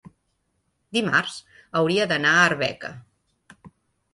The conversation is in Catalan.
dimarts hauria d'anar a Arbeca.